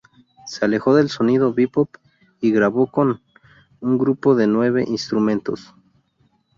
Se alejó del sonido bebop y grabó con un grupo de nueve instrumentos.